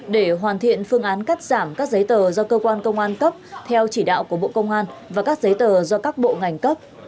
để hoàn thiện phương án cắt giảm các giấy tờ do cơ quan công an cấp theo chỉ đạo của bộ công an và các giấy tờ do các bộ ngành cấp